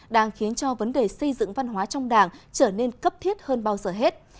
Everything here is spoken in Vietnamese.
đang khiến cho vấn đề xây dựng văn hóa trong đảng trở nên cấp thiết hơn bao giờ hết